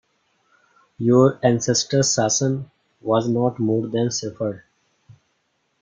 Your ancestor Sasan was no more than a shepherd.